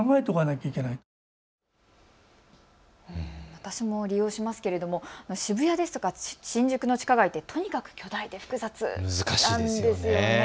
私も利用しますけれども渋谷ですとか新宿の地下街はとにかく複雑ですよね。